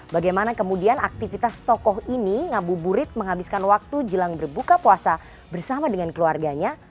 bagaimana kemudian aktivitas tokoh ini ngabuburit menghabiskan waktu jelang berbuka puasa bersama dengan keluarganya